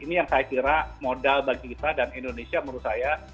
ini yang saya kira modal bagi kita dan indonesia menurut saya